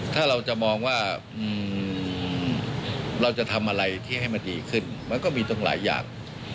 ถ้าเราจะมองว่าเราจะทำอะไรที่ให้มันดีขึ้นมันก็มีตรงหลายอย่าง